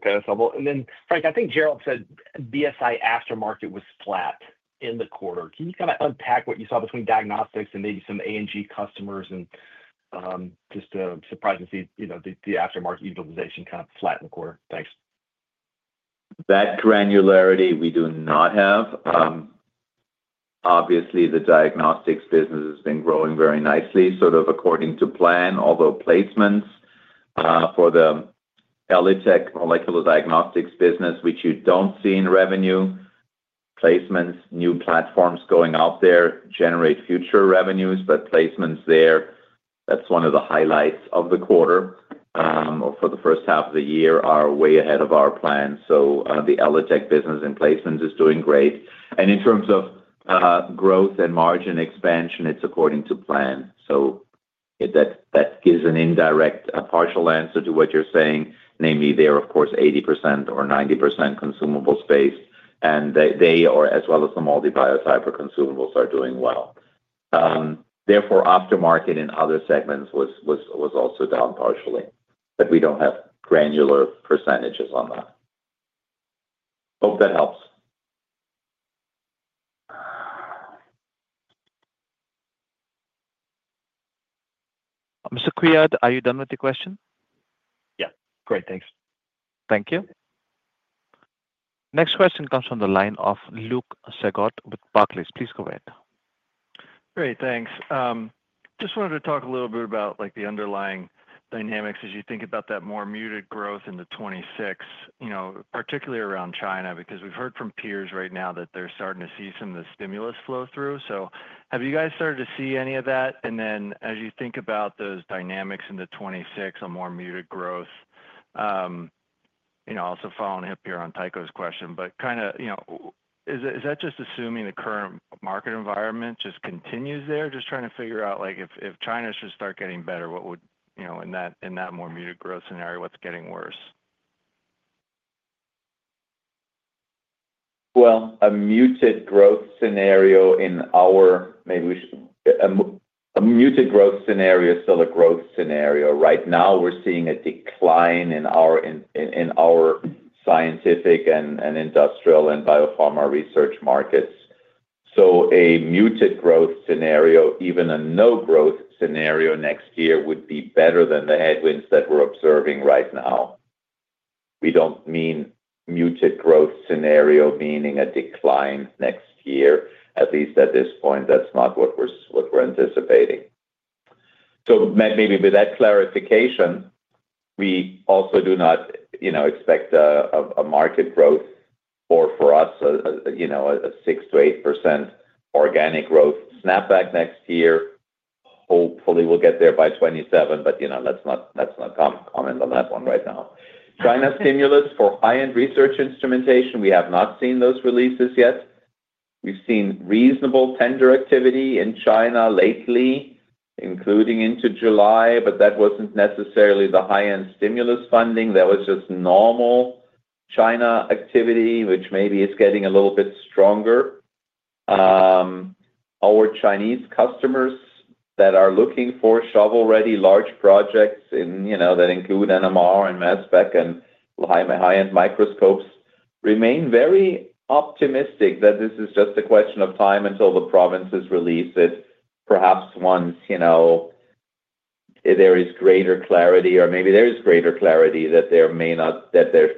Frank, I think Gerald said BSI aftermarket was flat in the quarter. Can you kind of unpack what you saw between diagnostics and maybe some academic customers? Surprisingly, the aftermarket utilization kind of flattened the quarter. Thanks. That granularity we do not have, obviously the diagnostics business has been growing very nicely, sort of according to plan. Although placements for the Elitech molecular diagnostics business, which you don't see in revenue, placements, new platforms going out there generate future revenues. Placements there, that's one of the highlights of the quarter or for the first half of the year, are way ahead of our plan. The Elitech business in placements is doing great. In terms of growth and margin expansion, it's according to plan. That gives an indirect partial answer to what you're saying. Namely, they are of course 80% or 90% consumables based and they are as well as the MALDI Biotyper consumables are doing well. Therefore, aftermarket in other segments was also down partially. We don't have granular percentage. Hope that helps. Mr. Couillard, are you done with the question? Yes. Great, thanks. Thank you. Next question comes from the line of Luke Sergott with Barclays. Please go ahead. Great, thanks. Just wanted to talk a little bit about the underlying dynamics as you think about that more muted growth in 2026, particularly around China, because we've heard from peers right now that they're starting to see some of the stimulus flow through. Have you guys started to see any of that? As you think about those dynamics in 2026 on more muted growth, also following up here on Tycho's question, is that just assuming the current market environment just continues there, just trying to figure out if China should start getting better? What would you know in that more muted growth scenario, what's getting worse? A muted growth scenario, maybe a muted growth scenario is still a growth scenario. Right now we're seeing a decline in our scientific and industrial and biopharma research markets. A muted growth scenario, even a no-growth scenario next year, would be better than the headwinds that we're observing right now. We don't mean muted growth scenario meaning a decline next year. At least at this point, that's not what we're anticipating. With that clarification, we also do not expect a market growth or for us, a 6%-8% organic growth snapback next year. Hopefully we'll get there by 2027, but let's not comment on that one right now. China stimulus for high end research instrumentation, we have not seen those releases yet. We've seen reasonable tender activity in China lately, including into July, but that wasn't necessarily the high end stimulus funding. There was just normal China activity, which maybe is getting a little bit stronger. Our Chinese customers that are looking for shovel ready large projects that include NMR and mass spec and high end microscopes remain very optimistic that this is just a question of time until the provinces release it. Perhaps once there is greater clarity or maybe there is greater clarity that there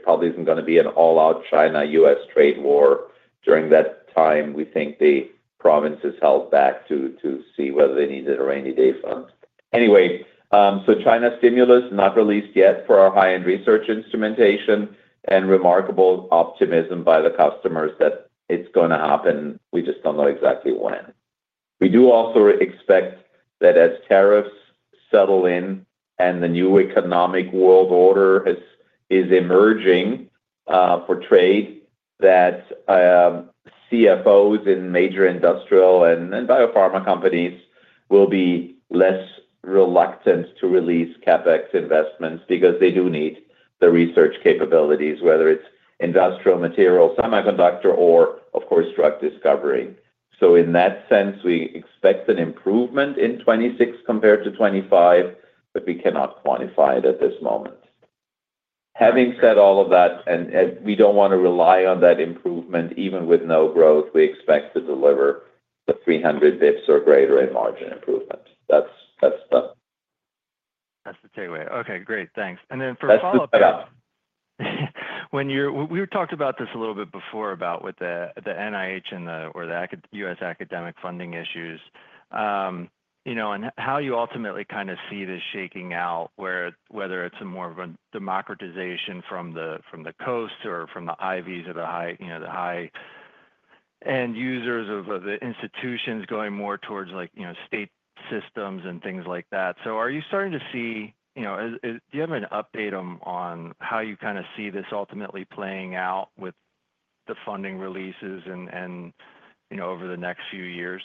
probably isn't going to be an all out China-U.S. trade war during that time. We think the provinces held back to see whether they needed a rainy day fund anyway. China stimulus not released yet for our high end research instrumentation and remarkable optimism by the customers that it's going to happen. We just don't know exactly when. We do also expect that as tariffs settle in and the new economic world order as is emerging for trade, that CFOs in major industrial and biopharma companies will be less reluctant to release CapEx investments because they do need the research capabilities whether it's industrial material, semiconductor, or of course drug discovery. In that sense, we expect an improvement in 2026 compared to 2025, but we cannot quantify it at this moment. Having said all of that, and we don't want to rely on that improvement, even with no growth, we expect to deliver 300 basis points or greater in margin improvement. That's the takeaway. Okay, great, thanks. For a follow up, we. Talked about this a little bit before about with the NIH and the US academic funding issues and how you ultimately kind of see this shaking out. Whether it's more of a democratization from the coast or from the Ivies or the high, you know, the high end users of the institutions going more towards like, you know, state systems and things like that. Are you starting to see, do you have an update on how you kind of see this ultimately playing out with the funding releases and, you know, over the next few years?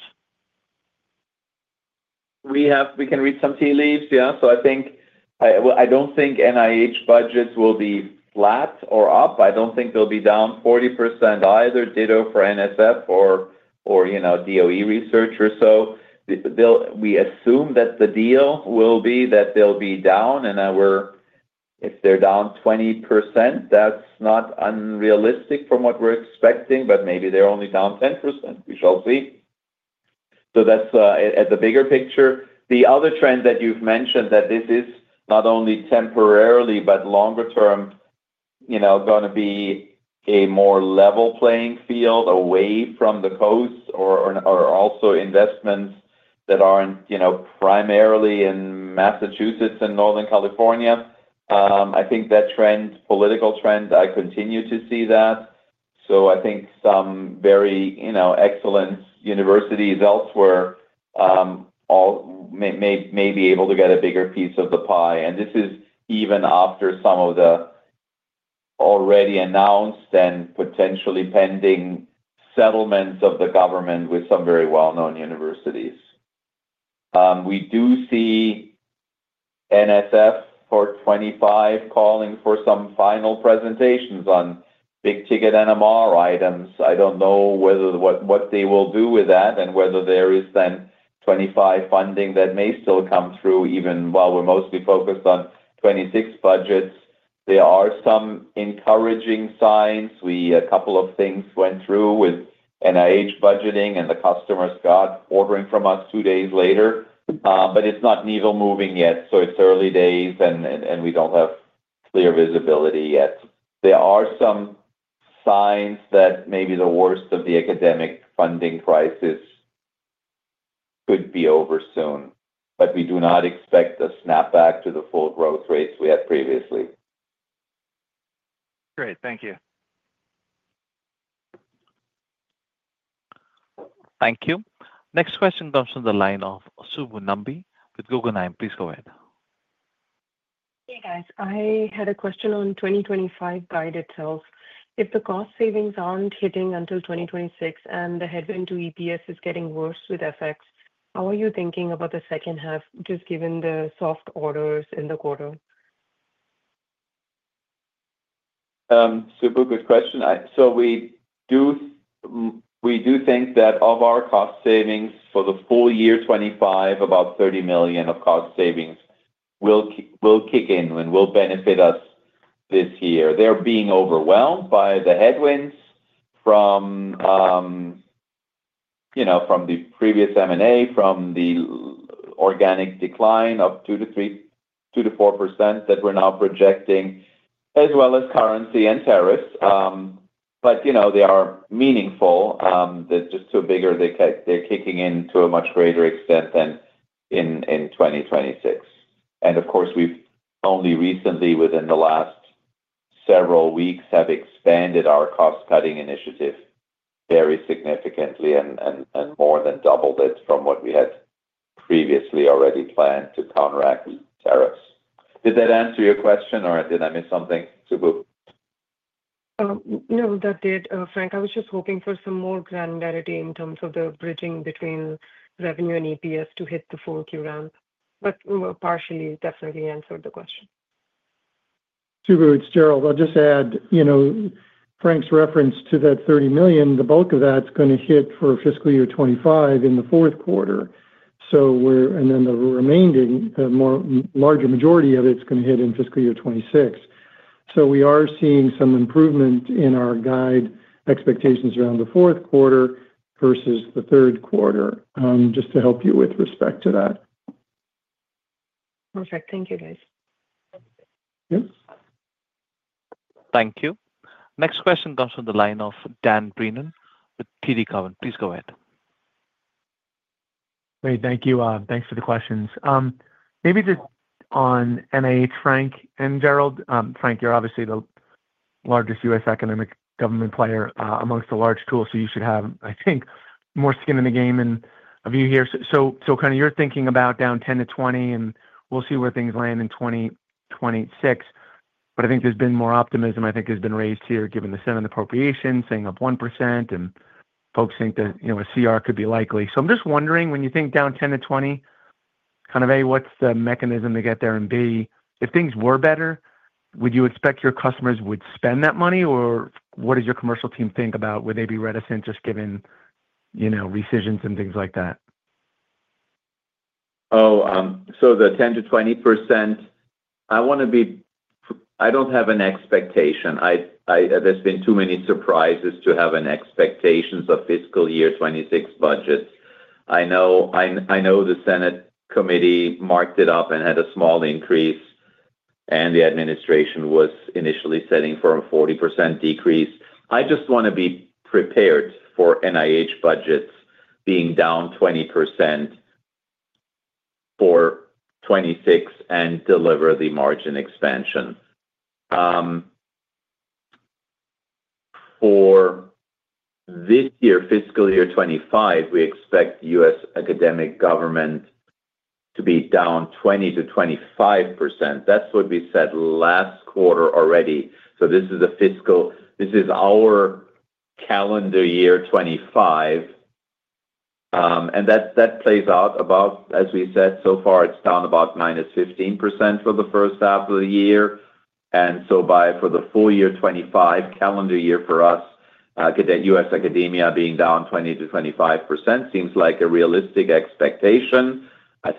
We have, we can read some tea leaves. Yeah. I think, I don't think NIH budgets will be flat or up. I don't think they'll be down 40% either. Ditto for NSF or, you know, DOE research. We assume that the deal will be that they'll be down and we're, if they're down 20%, that's not unrealistic from what we're expecting. Maybe they're only down 10%. We shall see. That's at the bigger picture. The other trend that you've mentioned, that this is not only temporarily but longer term going to be a more level-playing field away from the coast or also investments that aren't primarily in Massachusetts and Northern California. I think that trend, political trend, I continue to see that. I think some very excellent universities elsewhere may be able to get a bigger piece of the pie. This is even after some of the already announced and potentially pending settlements of the government with some very well known universities. We do see NSF Port 25 calling for some final presentations on big ticket NMR items. I don't know whether what they will do with that and whether there is then 25 funding that may still come through. Even while we're mostly focused on 26 budgets, there are some encouraging signs. A couple of things went through with NIH budgeting and the customers got ordering from us two days later, but it's not needle moving yet. It's early days and we don't have clear visibility yet. There are some signs that maybe the worst of the academic funding crisis could be over soon, but we do not expect a snapback to the full growth rates we had previously. Great, thank you. Thank you. Next question comes from the line of Subbu Nambi with Guggenheim. Please go ahead. Hey guys, I had a question on 2025 guide itself. If the cost savings aren't hitting until 2026 and the headwind to EPS is getting worse with FX, how are you thinking about the second half just given the soft orders in the quarter? Super good question. We do think that of our cost savings for the full year 2025, about $30 million of cost savings will kick in and will benefit us this year. They're being overwhelmed by the headwinds from the previous M&A, from the organic decline of 2%-3%, 2%-4% that we're now projecting as well as currency and tariffs. They are meaningful, just to a bigger extent, they're kicking in to a much greater extent than in 2026. Of course, we've only recently, within the last several weeks, expanded our cost cutting initiative very significantly and more than doubled it from what we had previously already planned to counteract tariffs. Did that answer your question or did I miss something, Subbu? No, that did Frank. I was just hoping for some more granularity in terms of the bridging between revenue and EPS to hit the 4Q. Ramp, but partially definitely answered the question. Gerald, I'll just add, you know, Frank's reference to that $30 million. The bulk of that's going to hit for fiscal year 2025 in the fourth quarter, and then the remaining more larger majority of it's going to hit in fiscal year 2026. We are seeing some improvement in our guide expectations around the fourth quarter versus the third quarter, just to help you with respect to that. Perfect. Thank you guys. Thank you. Next question comes from the line of Dan Brennan with TD Cowen, please go ahead. Great. Thank you. Thanks for the questions. Maybe just on NIH, Frank and Gerald, Frank, you're obviously the largest U.S. economic. Government player amongst the large tools, you should have I think more skin in the game and of you here. You're thinking about down 10%-20% and we'll see where. Things land in 2026. I think there's been more optimism, I think has been raised here given the seven appropriations saying up 1%. Folks think that, you know, a CR could be likely. I'm just wondering when you think Down 10-20 kind of a. What's the mechanism to get there, and B, if things were better, would you expect your customers would spend that money? What does your commercial team think? Would they be reticent just given, you know, rescissions and things like that? The 10 to 20%—I want to be clear, I don't have an expectation. There's been too many surprises to have expectations of fiscal year 2026 budgets. I know the Senate committee marked it up and had a small increase, and the administration was initially setting for a 40% decrease. I just want to be prepared for NIH budgets being down 20% for 2026 and deliver the margin expansion for this year. Fiscal year 2025, we expect U.S. academic government to be down 20-25%. That's what we said last quarter already. This is our calendar year 2025, and that plays out about as we said so far—it's down about 15% for the first half of the year. For the full year 2025, calendar year, for U.S. Academia being down 20%-25% seems like a realistic expectation. I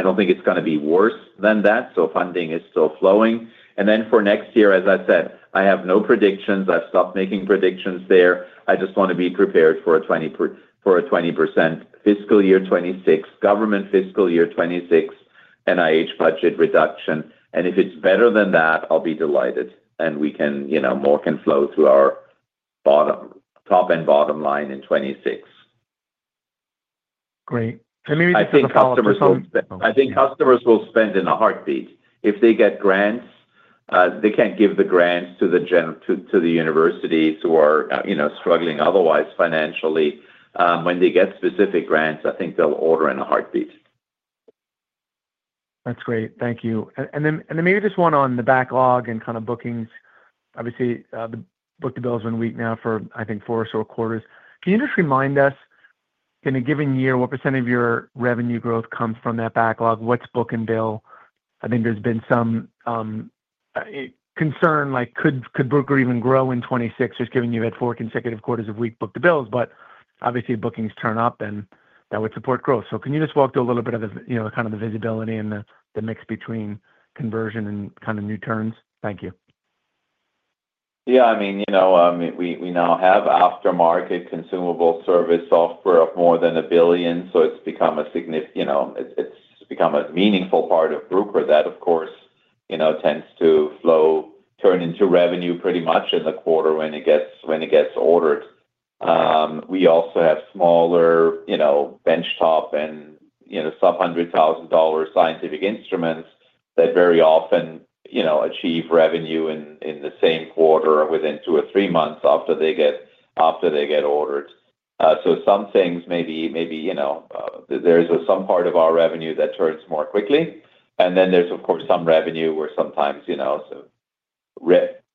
don't think it's going to be worse than that. Funding is still flowing, and for next year, as I said, I have no predictions. I've stopped making predictions there. I just want to be prepared for a 20% fiscal year 2026 government, fiscal year 2026 NIH budget reduction. If it's better than that, I'll be delighted, and more can flow through our top and bottom line in 2026. Great. I think customers will spend in a heartbeat. If they get grants, they can't give the grants to the general, to the universities who are, you know, struggling otherwise financially. When they get specific grants, I think they'll order in a heartbeat. That's great. Thank you. Maybe just one on the backlog and kind of bookings. Obviously the book-to-bill has been weak now for, I think, four or so quarters. Can you just remind us in a given year what percentage of your revenue growth comes from that backlog? What's book and bill? I think there's been some concern like could Bruker even grow in 2026 just given you've had four consecutive quarters of weak book-to-bills. Obviously bookings turn up and that would support growth. Can you just walk through a little bit of kind of the visibility and the mix between conversion and kind of new turns. Thank you. Yeah, I mean, you know, we now have aftermarket consumable service software of more than $1 billion. It's become a significant, you know, it's become a meaningful part of Bruker that, of course, you know, tends to flow, turn into revenue pretty much in the quarter when it gets ordered. We also have smaller, you know, benchtop and, you know, sub-$100,000 scientific instruments that very often, you know, achieve revenue in the same quarter within two or three months after they get ordered. Some things, maybe, you know, there's some part of our revenue that turns more quickly and then there's, of course, some revenue where sometimes, you know,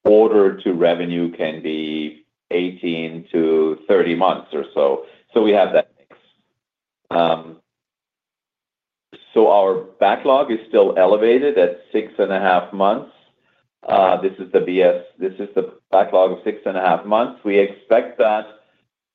order to revenue can be 18-30 months or so. We have that. Our backlog is still elevated at six and a half months. This is the backlog of six and a half months. We expect that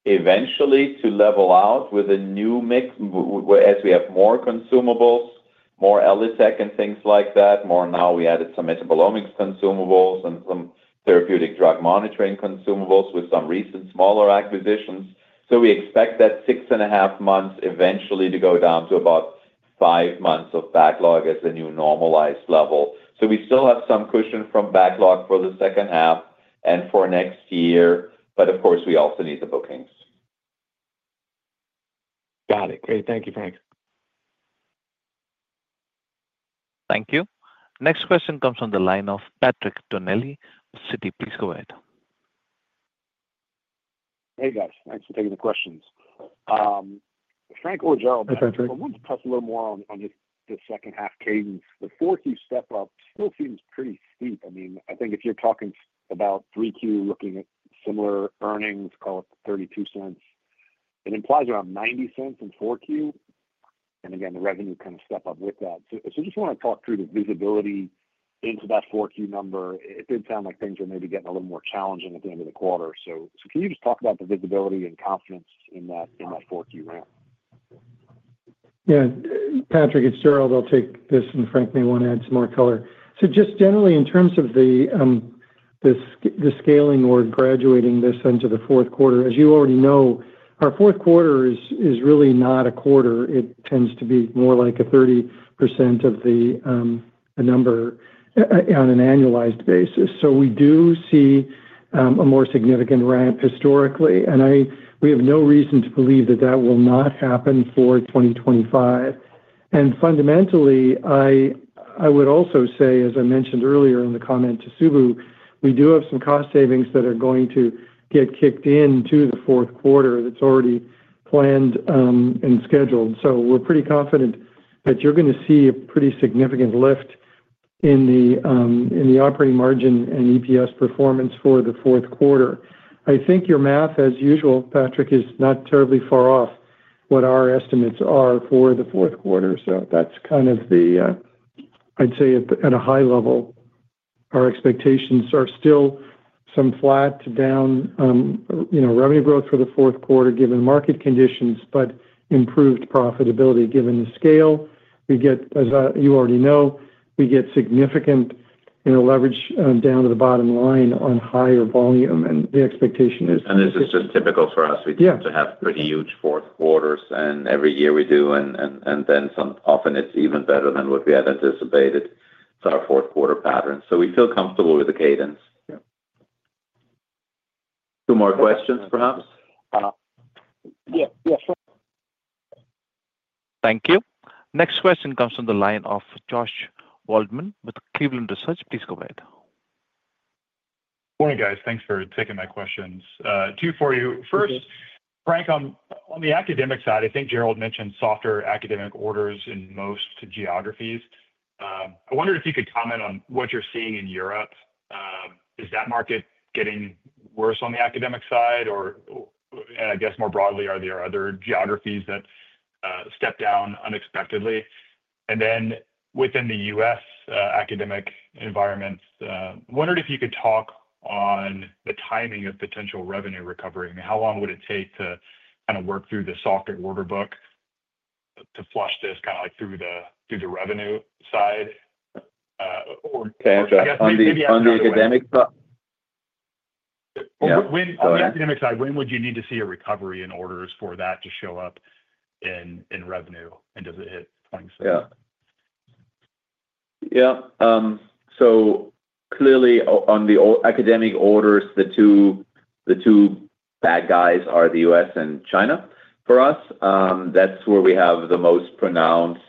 eventually to level out with a new mix as we have more consumable, more LSEC and things like that. Now we added some metabolomics consumables and therapeutic drug monitoring consumables with some recent smaller acquisitions. We expect that six and a half months eventually to go down to about five months of backlog as the new normalized level. We still have some cushion from backlog for the second half and for next year. Of course, we also need the bookings. Got it. Great. Thank you, Frank. Thank you. Next question comes from the line of Patrick Donnelly, Citi. Please go ahead. Hey guys, thanks for taking the questions. Frank or Joe. I want to touch a little more. On just the second half cadence. The 4Q step up still seems pretty steep. I mean, I think if you're talking about 3Q looking at similar earnings, call it $0.32, it implies around $0.90 in 4Q, and again, the revenue kind of step up with that. I just want to talk through the visibility into that 4Q number. It did sound like things are maybe getting a little more challenging at the end of the quarter. Can you just talk about the visibility and confidence in that, in that 4Q ramp? Yeah, Patrick, it's Gerald. I'll take this. Frank may want to add some more color. Just generally in terms of the scaling or graduating this into the fourth quarter, as you already know, our fourth quarter is really not a quarter. It tends to be more like 30% of the number on an annualized basis. We do see a more significant ramp historically and we have no reason to believe that that will not happen for 2025. Fundamentally, I would also say, as I mentioned earlier in the comment to Subbu, we do have some cost savings that are going to get kicked into the fourth quarter that's already planned and scheduled. We're pretty confident that you're going to see a pretty significant lift in the operating margin and EPS performance for the fourth quarter. I think your math as usual, Patrick, is not terribly far off what our estimates are for the fourth quarter. That's kind of the, I'd say at a high level, our expectations are still some flat to down, you know, revenue growth for the fourth quarter given market conditions, but improved profitability given the scale we get. As you already know, we get significant leverage down to the bottom line on higher volume and the expectation. This is just typical for us. We tend to have pretty huge fourth quarters every year, and then some. Often it's even better than what we had anticipated, our fourth quarter pattern. We feel comfortable with the cadence. Two more questions perhaps? Yes, sure. Thank you. Next question comes from the line of Joshua Paul Waldman with Cleveland Research Company. Please go ahead. Morning guys. Thanks for taking my questions. Two for you. First, Frank, on the academic side. I think Gerald mentioned softer academic orders in most geographies. I wonder if you could comment on what you're seeing in Europe. Is that market getting worse on the academic side, or more broadly, are there other geographies that step down unexpectedly? Within the U.S. academic environment, wondered if you could talk on the timing of potential revenue recovery. I mean, how long would it take to kind of work through the softer order book to flush this through the revenue side on the academic side? Yeah, academic side, when would you need To see a recovery in orders for that to show up in revenue? Does it hit 2026? Yeah, yeah. Clearly on the academic orders, the two bad guys are the U.S. and China. For us, that's where we have the most pronounced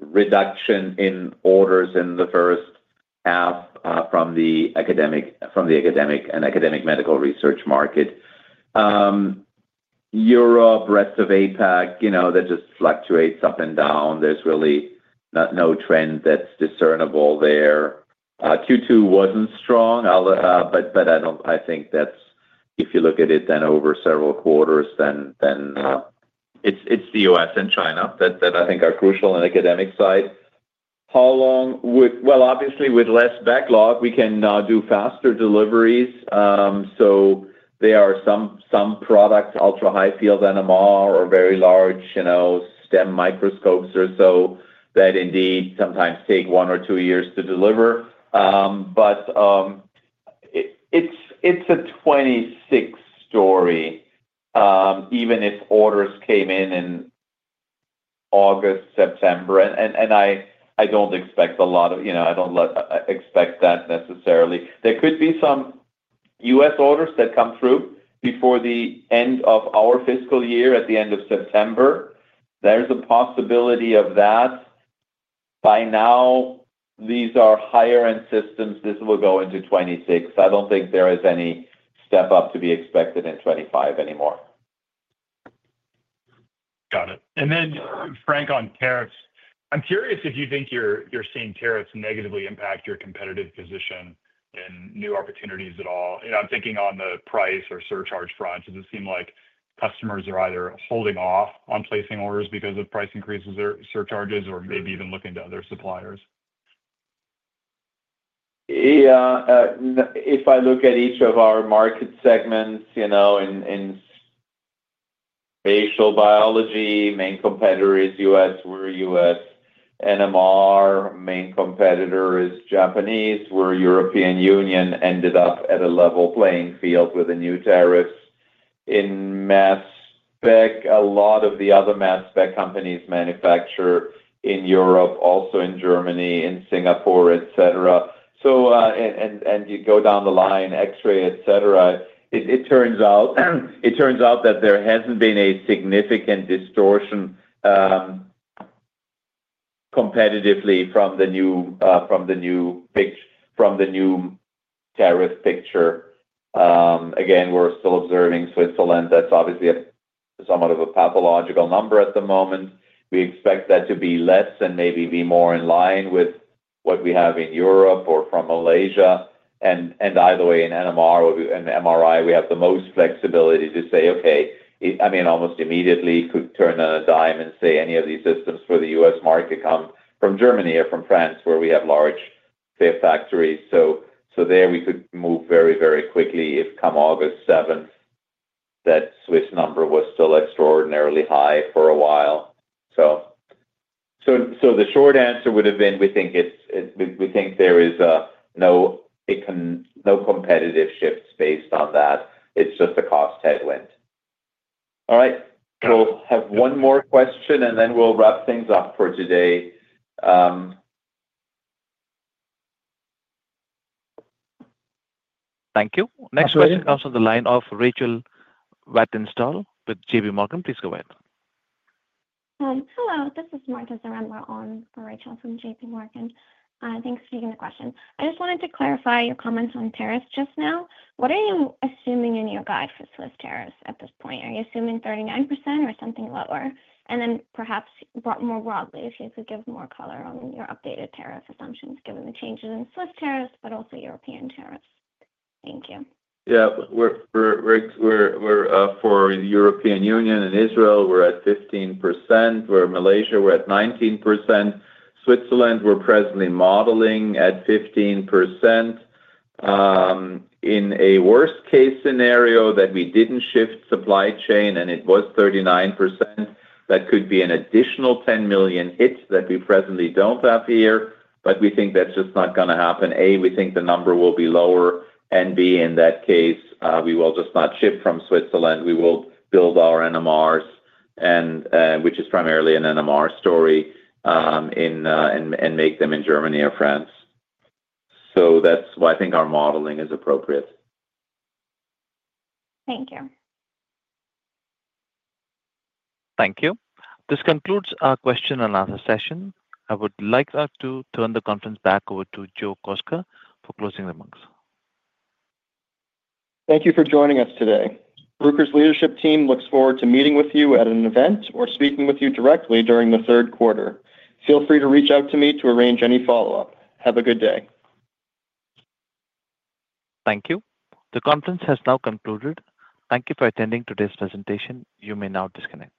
reduction in orders in the first half from the academic and academic medical research market. Europe, breadth of APAC, you know, that just fluctuates up and down. There's really no trend that's discernible there. Q2 wasn't strong. If you look at it over several quarters, then it's the U.S. and China that I think are crucial. On the academic side, how long? Obviously, with less backlog we can do faster deliveries. There are some products, ultra high field NMR or very large STEM microscopes, that indeed sometimes take one or two years to deliver. It's a 2026 story. Even if orders came in August, September, and I don't expect a lot of, you know, I don't expect that necessarily. There could be some U.S. orders that come through before the end of our fiscal year, at the end of September, there's a possibility of that by now. These are higher end systems. This will go into 2026. I don't think there is any step up to be expected in 2025 anymore. Got it. Frank, on tariffs, I'm curious. If you think you're seeing tariffs negatively impact your competitive position and new opportunities at all. I'm thinking on the price or surcharge front, does it seem like customers are either holding off on placing orders because of price increases or surcharges or maybe even looking to other suppliers? Yeah, if I look at each of our market segments, in spatial biology, main competitor is us, we're U.S. NMR, main competitor is Japanese where European Union ended up at a level playing field with the new tariffs. In mass spec, a lot of the other mass spec companies manufacture in Europe, also in Germany, in Singapore, etc. You go down the line, x-ray, etc. It turns out that there hasn't been a significant distortion competitively from the new tariff picture. Again, we're still observing Switzerland. That's obviously somewhat of a pathological number at the moment. We expect that to be less and maybe be more in line with what we have in Europe or from Malaysia. Either way, in NMR and MRI we have the most flexibility to say okay, I mean almost immediately could turn a dime and say any of these systems for the U.S. market come from Germany or from France where we have large factories. There we could move very, very quickly if come August 7 that Swiss number was still extraordinarily high for a while. The short answer would have been we think there is no, it can no competitive shift based on that. It's just a cost headwind. All right. Have one more question and then we'll wrap things up for today. Thank you. Next question comes from the line of Rachel Vatnsdal with JPMorgan. Please go ahead. Hello, this is Marta Zarembla on Rachel from JP Morgan. Thanks for taking the question. I just wanted to clarify your comments on tariffs just now. What are you assuming in your guide for Swiss tariffs at this point? Are you assuming 39% or something lower? And then perhaps more broadly, if you could give more color on your updated tariff assumptions given the changes in Swiss tariffs, but also European tariffs. Thank you. Yeah. For the European Union and Israel, we're at 15%. For Malaysia, we're at 19%. Switzerland, we're presently modeling at 15%. In a worst case scenario that we didn't shift supply chain and it was 39%, that could be an additional $10 million hit that we presently don't have here. We think that's just not going to happen. A, we think the number will be lower, and B, in that case we will just not ship from Switzerland. We will build our NMRs, which is primarily an NMR story, and make them in Germany or France. That's why I think our modeling is appropriate. Thank you. Thank you. This concludes our question and answer session. I would like to turn the conference back over to Joe Kostka for closing remarks. Thank you for joining us today. Bruker's leadership team looks forward to meeting with you at an event or speaking with you directly during the third quarter. Feel free to reach out to me to arrange any follow up. Have a good day. Thank you. The conference has now concluded. Thank you for attending today's presentation. You may now disconnect.